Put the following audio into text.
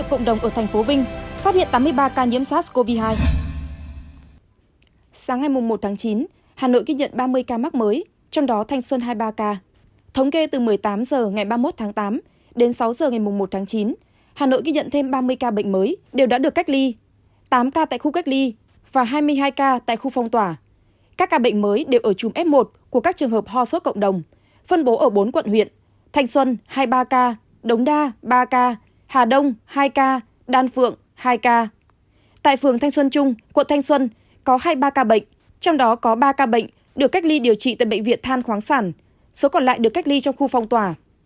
bộ thanh xuân có hai ba ca bệnh trong đó có ba ca bệnh được cách ly điều trị tại bệnh viện than khoáng sản số còn lại được cách ly trong khu phong tòa